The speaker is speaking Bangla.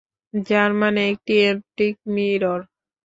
যার মানে একটি এন্টিক মিরর।